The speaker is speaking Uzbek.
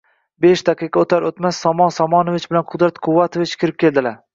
Besh daqiqa o`tar-o`tmas Somon Somonovich bilan Qudrat Quvvatovich kirib keldilar